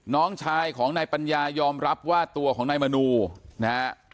น้องชายของนายปัญญายอมรับว่าตัวของนายมนูนะฮะ